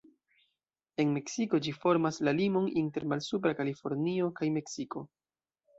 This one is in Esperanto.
En Meksiko ĝi formas la limon inter Malsupra Kalifornio kaj Meksiko.